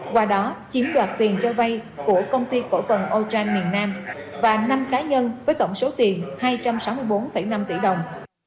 qua đó chiếm đoạt tiền cho vay của công ty cổ phần o cham miền nam và năm cá nhân với tổng số tiền hai trăm sáu mươi bốn năm tỷ đồng